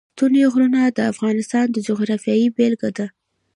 ستوني غرونه د افغانستان د جغرافیې بېلګه ده.